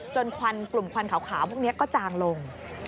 ควันกลุ่มควันขาวพวกนี้ก็จางลง